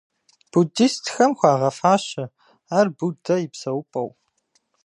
Буддистхэм хуагъэфащэ ар Буддэ и псэупӀэу.